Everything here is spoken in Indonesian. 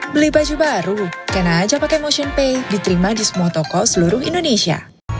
beli baju baru kena aja pake motionpay diterima di semua toko seluruh indonesia